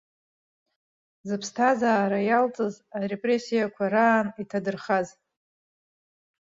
Зыԥсҭазаара иалҵыз, арепрессиақәа раан иҭадырхаз.